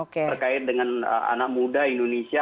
terkait dengan anak muda indonesia